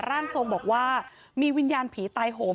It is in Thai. ร่างทรงบอกว่ามีวิญญาณผีตายโหม